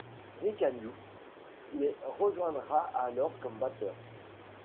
Rikk Agnew les rejoindra alors comme batteur.